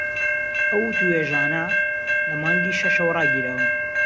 ئەو وتووێژانە لە مانگی شەشەوە ڕاگیراون